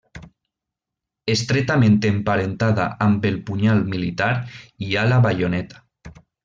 Estretament emparentada amb el punyal militar hi ha la baioneta.